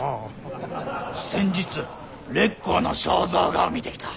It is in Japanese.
先日烈公の肖像画を見てきた。